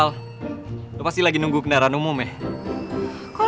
proprio karena ini suatu hari yang raksasa